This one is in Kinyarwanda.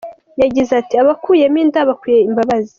Yagize ati “Abakuyemo inda bakwiye imbabazi.